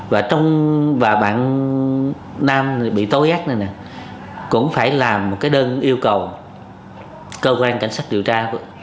và trong và bạn nam bị tối ác này nè cũng phải làm một cái đơn yêu cầu cơ quan cảnh sát điều tra